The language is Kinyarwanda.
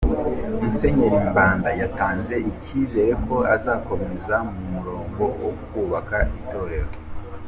Musenyeri Mbanda yatanze icyizere ko azakomeza mu murongo wo kubaka itorero.